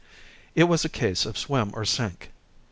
It was a case of swim or sink.